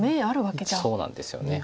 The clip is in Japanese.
そうなんですよね